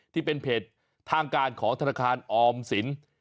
ที่เป็นเพจทางการของธนาคารออมสิน